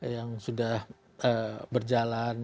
yang sudah berjalan